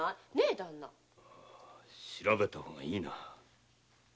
調べた方がいいな。